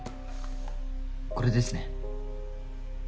これですね？